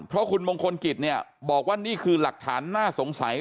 เพราะคุณมงคลกิจเนี่ยบอกว่านี่คือหลักฐานน่าสงสัย